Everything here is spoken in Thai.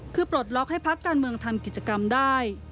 คือปลดล็อกให้พักการเมืองทำกิจกรรมได้